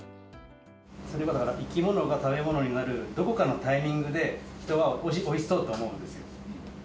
生き物が食べ物になるどこかのタイミングで、人はおいしそうと思うんです。